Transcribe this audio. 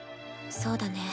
そうだね。